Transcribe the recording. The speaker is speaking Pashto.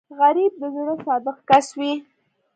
غریب د زړه صادق کس وي